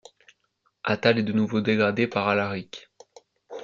Attale est de nouveau dégradé par Alaric.